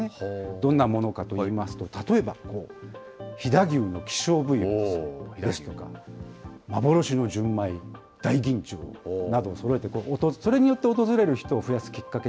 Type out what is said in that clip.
どんなものかといいますと、例えば飛騨牛の希少部位ですとか、幻の純米大吟醸などをそろえて、それによって訪れる人を増やすき